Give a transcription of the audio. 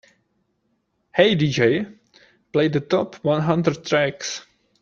"Hey DJ, play the top one hundred tracks"